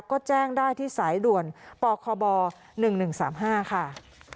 ก็แจ้งได้ที่สายด่วนปคบ๑๑๓๕ค่ะ